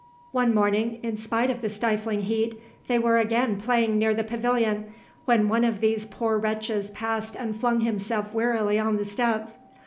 One morning, in spite of the stifling heat, they were again playing near the pavilion, when one of these poor wretches passed and flung himself wearily on the steps.